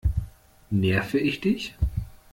Nerve ich dich?